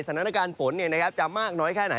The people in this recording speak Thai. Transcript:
สถานการณ์ฝนเนี่ยนะครับจะมากน้อยแค่ไหน